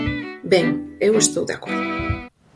Ben, eu estou de acordo.